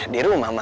di rumah ma